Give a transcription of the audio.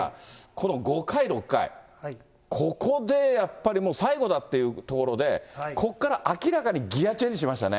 この５回、６回、ここでやっぱりもう、最後だっていうところで、ここから明らかにギアチェンジしましたね。